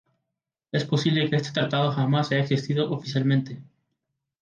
Es posible que este tratado jamás haya existido oficialmente.